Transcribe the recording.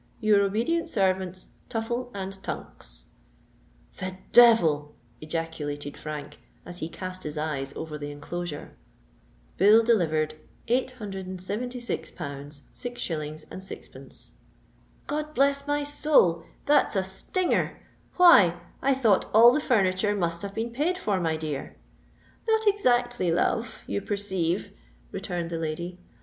"Your obedient Servants, "TUFFLE and TUNKS." "The devil!" ejaculated Frank, as he cast his eyes over the inclosure: "'Bill delivered, £876 6_s._ 6_d._' God bless my soul! that's a stinger! Why, I thought all the furniture must have been paid for, my dear?" "Not exactly, love—you perceive," returned the lady.